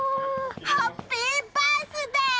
ハッピーバースデー！